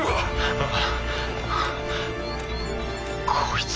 あっ。